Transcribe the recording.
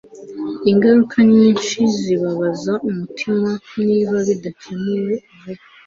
ingaruka nyinshi zibabaza umutima niba bidakemuwe vuba